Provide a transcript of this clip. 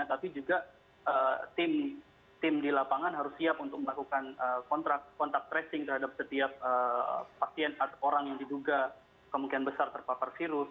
tapi juga tim di lapangan harus siap untuk melakukan kontak tracing terhadap setiap pasien atau orang yang diduga kemungkinan besar terpapar virus